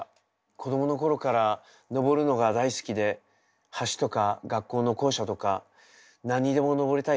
子供の頃から登るのが大好きで橋とか学校の校舎とか何にでも登りたい少年でした。